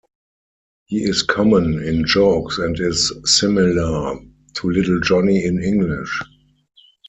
He is common in jokes and is similar to Little Johnny in English.